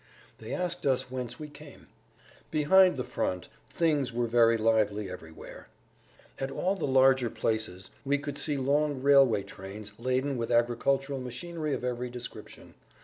They asked us whence we came. Behind the front things were very lively everywhere. At all the larger places we could see long railway trains laden with agricultural machinery of every description.